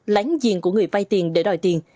lán diện của người vây tiền để đòi tiền